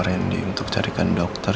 rendy untuk carikan dokter